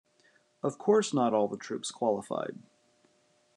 Of course not all the troops qualified.